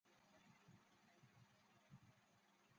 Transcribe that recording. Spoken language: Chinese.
黑天竺鱼为天竺鲷科天竺鱼属的鱼类。